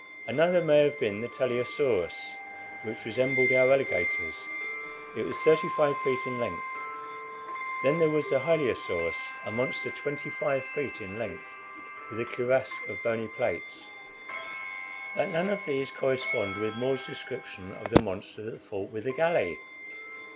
Another may have been the Teleosaurus, which resembled our alligators. It was thirty five feet in length. Then there was the Hylaeosaurus, a monster twenty five feet in length, with a cuirass of bony plates." "But none of these correspond with More's description of the monster that fought with the galley."